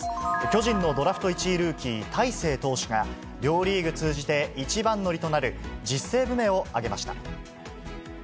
巨人のドラフト１位ルーキー、大勢投手が、両リーグ通じて一番乗りとなる、１０セーブ目を挙げました。